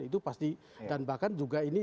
itu pasti dan bahkan juga ini